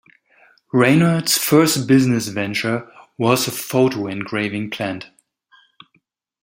Reynolds' first business venture was a photo engraving plant.